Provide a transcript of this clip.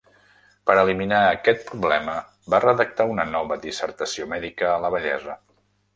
Per a eliminar aquest problema, va redactar una nova dissertació mèdica a la vellesa.